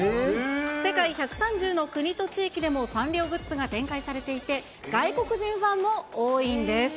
世界１３０の国と地域でもサンリオグッズが展開されていて、外国人ファンも多いんです。